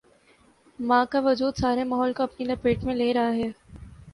ماں کا وجودسارے ماحول کو اپنی لپیٹ میں لے رہا ہے۔